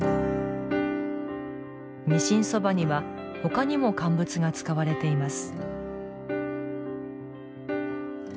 にしんそばには、他にも乾物が使われています。